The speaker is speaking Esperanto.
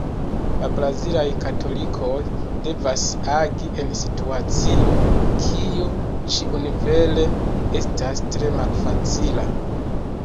La brazilaj katolikoj devas agi en situacio, kiu ĉiunivele estas tre malfacila.